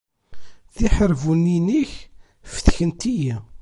Tiḥerbunin-ik fetkent-iyi.